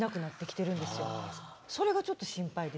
それがちょっと心配で。